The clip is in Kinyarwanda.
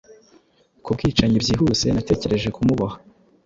Ku bwicanyi byihuse natekereje kumuboha